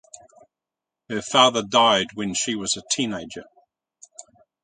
Her father died when she was teenager.